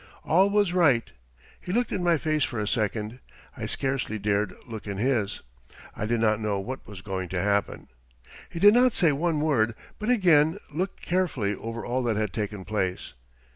All was right. He looked in my face for a second. I scarcely dared look in his. I did not know what was going to happen. He did not say one word, but again looked carefully over all that had taken place.